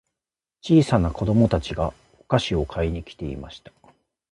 小さな子供たちがお菓子を買いに来ていました。